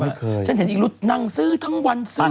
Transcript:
ไม่เคยฉันเห็นอีกลุนั่งซื้อทั้งวันซื้อ